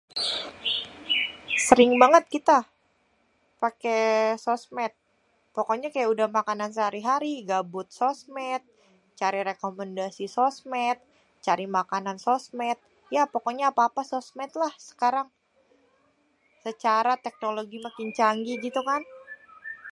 sering banget kita pake sosmet pokonye kaya udeh makanan sehari-hari gabut sosmed cari rekomendasi sosmed cari makanan sosmed ya pokoknye kalo apa-apa sosmed sekarang secara teknologi lebih canggih gitu kan